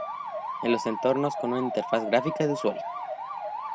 En los entornos con una interfaz gráfica de usuario.